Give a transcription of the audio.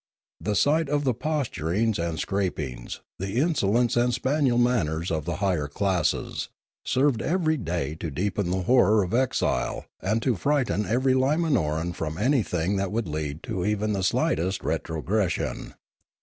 The sight of the posturings and scrap ings, the insolence and spaniel manners of the higher classes served every day to deepen the horror of exile and to frighten every Iyimanoran from anything that would lead even to the slightest retrogression.